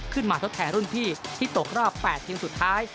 ทดแทนรุ่นพี่ที่ตกรอบ๘ทีมสุดท้าย